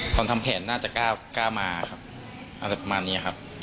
ทำแผนน่าจะกล้ามาครับอะไรประมาณนี้ครับ